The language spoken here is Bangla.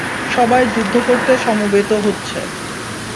সবাই যুদ্ধ করতে সমবেত হচ্ছে।